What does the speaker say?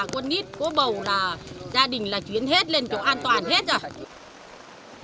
con nít có bầu là gia đình là chuyến hết lên chỗ an toàn hết rồi